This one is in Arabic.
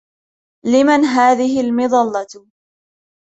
لمن هذه المظلة ؟